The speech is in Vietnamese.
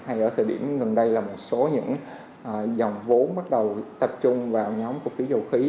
hay ở thời điểm gần đây là một số những dòng vốn bắt đầu tập trung vào nhóm cổ phiếu dầu khí